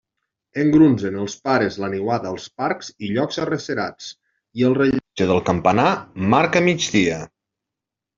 Engrunsen els pares la niuada als parcs i llocs arrecerats, i el rellotge del campanar marca migdia.